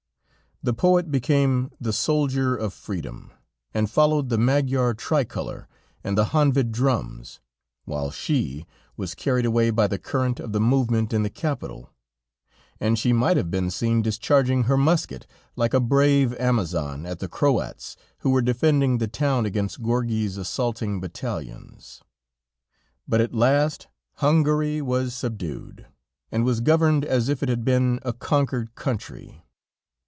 The poet became the soldier of freedom, and followed the Magyar tricolor, and the Honved drums, while she was carried away by the current of the movement in the capital, and she might have been seen discharging her musket, like a brave Amazon, at the Croats, who were defending the town against Görgey's assaulting battalions. But at last Hungary was subdued, and was governed as if it had been a conquered country.